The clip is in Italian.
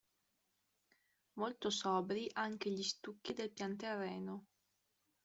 Molto sobri anche gli stucchi del pianterreno.